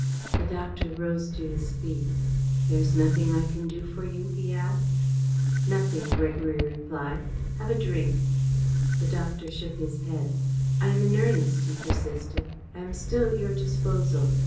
The doctor rose to his feet. "There is nothing I can do for you?" he asked. "Nothing," Gregory replied. "Have a drink." The doctor shook his head. "I am in earnest," he persisted. "I am still at your disposal.